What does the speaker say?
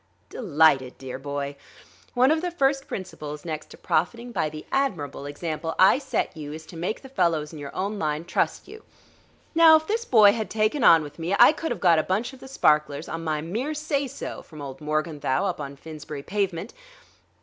"Delighted, dear boy.... One of the first principles, next to profiting by the admirable example I set you, is to make the fellows in your own line trust you. Now, if this boy had taken on with me, I could have got a bunch of the sparklers on my mere say so, from old Morganthau up on Finsbury Pavement.